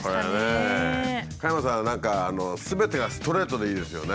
加山さんは何かすべてがストレートでいいですよね。